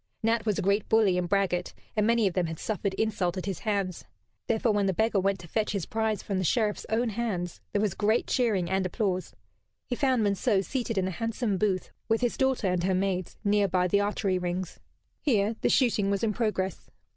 Nat was a great bully and braggart, and many of them had suffered insult at his hands. Therefore, when the beggar went to fetch his prize from the Sheriff's own hands, there was great cheering and applause. He found Monceux seated in a handsome booth, with his daughter and her maids, near by the archery rings. Here the shooting was in progress.